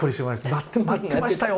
「待ってましたよ